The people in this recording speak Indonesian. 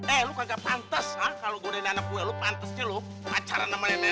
eh lo kagak pantes kalau godein anak gue lo pantesnya lo pacaran sama nenek